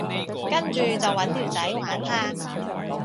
跟住就搵條仔玩下